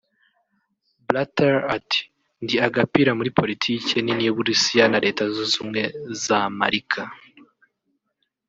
Blatter ati “Ndi agapira muri politike nini y’u Burusiya na Leta Zunze Ubumwe z’Amarika”